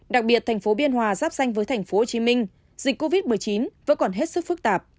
đặc biệt thành phố biên hòa giáp danh với tp hcm dịch covid một mươi chín vẫn còn hết sức phức tạp